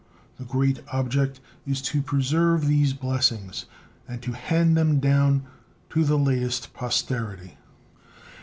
The great object is to preserve these blessings, and to hand them down to the latest posterity.